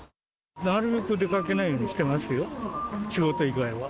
なるべく出かけないようにしてますよ、仕事以外は。